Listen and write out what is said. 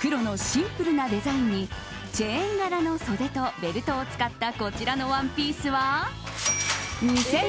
黒のシンプルなデザインにチェーン柄の袖とベルトを使ったこちらのワンピースは２１４２円。